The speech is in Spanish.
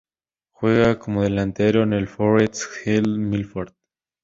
Juega como delantero en el Forrest Hill Milford.